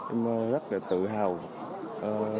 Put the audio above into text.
em rất là tự hào